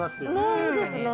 いいですねぇ。